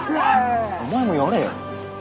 お前もやれよ